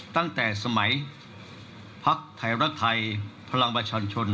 ตั้งแต่สมัยพักไทยรักไทยพลังประชาชน